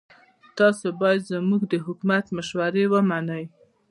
تاسو باید زموږ د حکومت مشورې ومنئ.